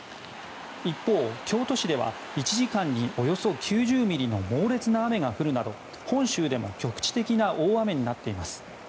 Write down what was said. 一方、京都市では１時間におよそ９０ミリの猛烈な雨が降るなど、本州でも局地的な大雨になっています。